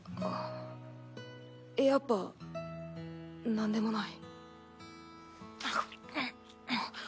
やっぱなんでもない。